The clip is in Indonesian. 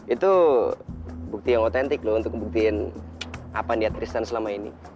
itu bukti yang otentik loh untuk ngebuktiin apa dia tristan selama ini